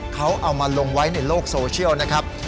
เขาเอามาลงไว้ในโลกโซเชียลนะครับ